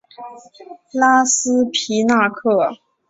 沙斯皮纳克。